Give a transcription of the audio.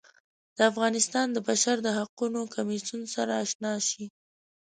د افغانستان د بشر د حقونو کمیسیون سره اشنا شي.